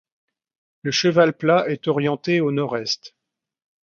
Le chevet plat est orienté au Nord-Est.